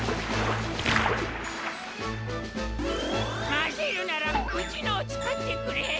まぜるならうちのをつかってくれ！